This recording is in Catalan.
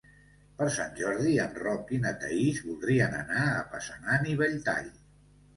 Per Sant Jordi en Roc i na Thaís voldrien anar a Passanant i Belltall.